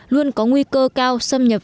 luôn có nguy cơ cao xâm nhập